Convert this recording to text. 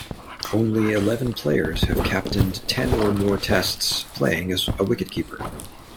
Only eleven players have captained ten or more Tests playing as a wicket-keeper.